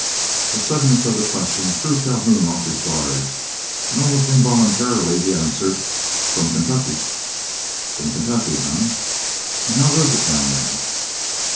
The suddenness of the question threw Calhoun off his guard, and almost involuntarily he answered, "From Kentucky." "From Kentucky, eh! And how goes it down there?"